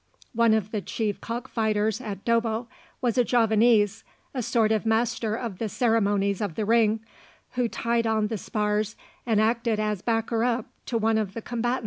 One of the chief cock fighters at Dobbo was a Javanese, a sort of master of the ceremonies of the ring, who tied on the spars and acted as backer up to one of the combatants.